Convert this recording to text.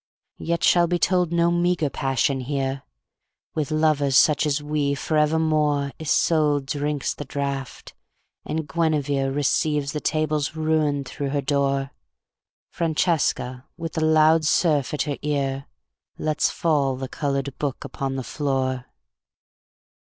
Yet shall be told no meagre passion here; With lovers such as we forevermore Isolde drinks the draught, and Guinevere Receives the Table's ruin through her door, Francesca, with the loud surf at her ear, Lets fall the colored book upon the floor.